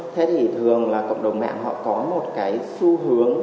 thế thì thường là cộng đồng mạng họ có một cái xu hướng